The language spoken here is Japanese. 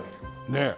ねえ。